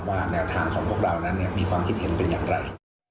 แนวทางของพวกเรานั้นมีความคิดเห็นเป็นอย่างไร